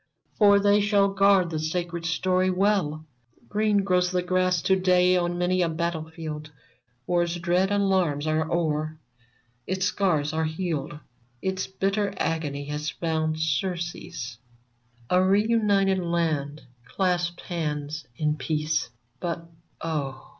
For they shall guard the sacred story well ! Green grows the grass to day on many a battle field ; War's dread alarms are o'er ; its scars are healed ; Its bitter agony has found surcease; A re united land clasps hands in peace. But, oh